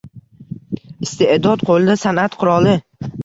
Iste’dod qo’lida san’at quroli.